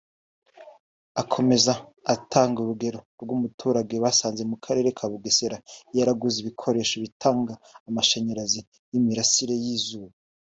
Akomeza atanga urugero rw’umuturage basanze mu Karere ka Bugesera yaraguze ibikoresho bitanga amashanyarazi y’imirasire y’izuba